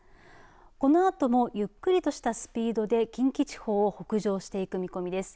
このあともゆっくりとしたスピードで近畿地方を北上していく見込みです。